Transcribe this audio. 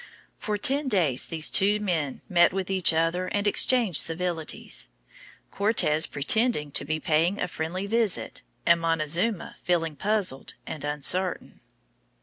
For ten days these two men met each other and exchanged civilities, Cortes pretending to be paying a friendly visit, and Montezuma feeling puzzled and uncertain.